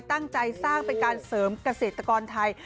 ตั้งใจสร้างเป็นการเสริมเกษตรกรไทย